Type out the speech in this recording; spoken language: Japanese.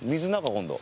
今度。